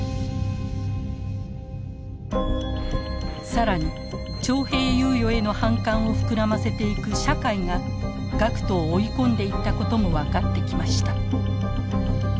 更に徴兵猶予への反感を膨らませていく社会が学徒を追い込んでいったことも分かってきました。